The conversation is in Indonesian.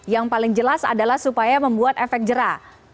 yang paling jelas adalah supaya membuat efek jerah